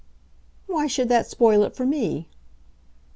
"Why should that spoil it for me?"